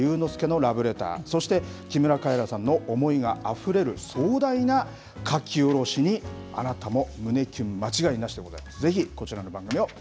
文豪、芥川龍之介のラブレター、そして木村カエラさんの思いがあふれる壮大な書き下ろしにあなたも胸キュン間違いなしでございます。